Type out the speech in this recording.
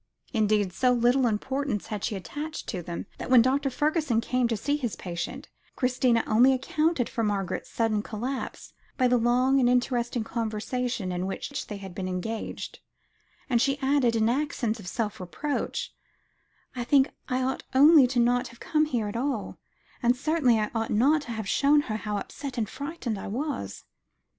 Indeed, so little importance had she attached to them, that when Dr. Fergusson came to see his patient, Christina only accounted for Margaret's sudden collapse, by the long and interesting conversation in which they had been engaged, and she added in accents of self reproach "I think I ought not to have come here at all, and certainly I ought not to have shown her how upset and frightened I was."